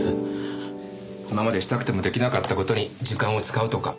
今までしたくても出来なかった事に時間を使うとか。